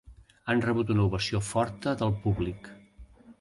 Han rebut una ovació forta del públic.